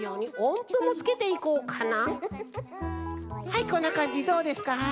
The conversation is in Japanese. はいこんなかんじどうですか？